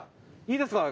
いいですか？